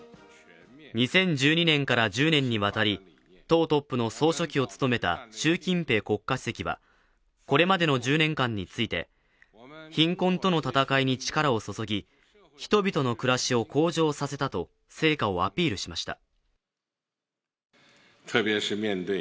２０１２年から１０年にわたり党トップの総書記を務めた習近平国家主席はこれまでの１０年間について貧困との戦いに力を注ぎ人々の暮らしを向上させたと成果をアピールしました。